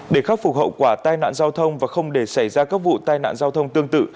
để khắc phục hậu quả tai nạn giao thông và không để xảy ra các vụ tai nạn giao thông tương tự